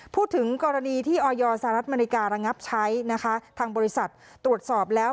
พูดถึงกรณีที่ออยสหรัฐอเมริการะใช้นะคะทางบริษัทตรวจสอบแล้ว